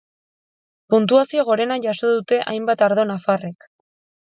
Puntuazio gorena jaso dute hainbat ardo nafarrek.